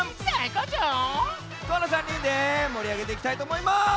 この３にんでもりあげていきたいとおもいます。